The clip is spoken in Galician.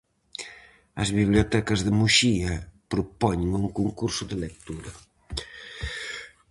As bibliotecas de Muxía propoñen un concurso de lectura.